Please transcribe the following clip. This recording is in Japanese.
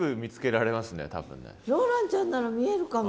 ローランちゃんなら見えるかも。